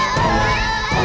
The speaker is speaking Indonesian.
nggak nggak kena